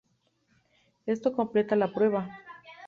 Esto completa la prueba.